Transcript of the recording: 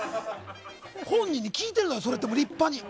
本人に聞いてるからそれはもう、立派に。